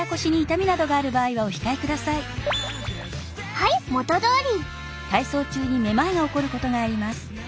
はい元どおり。